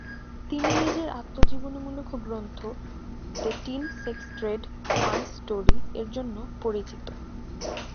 তিনি নিজের আত্মজীবনীমূলক গ্রন্থ "the teen sex trade: my story" এর জন্য পরিচিত।